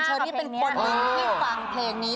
นี่เป็นคนหนึ่งที่ฟังเพลงนี้